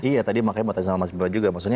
iya makanya mau tanya sama mas biba juga